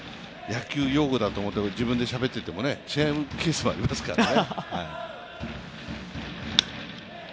野球用語だと思ってしゃべってても違うケースもありますからね。